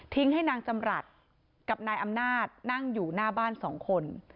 ให้นางจำรัฐกับนายอำนาจนั่งอยู่หน้าบ้านสองคน